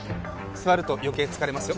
座ると余計疲れますよ。